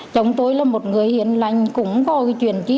chúng tôi là một người hiền lành cũng có chuyển trí